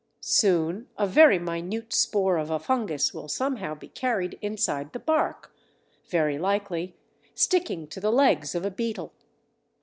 Soon a very minute spore of a fungus will somehow be carried inside the bark, very likely sticking to the legs of a beetle.